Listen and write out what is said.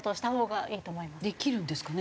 できるんですかね